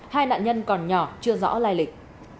hai nạn nhân còn nhỏ chưa rõ lai lịch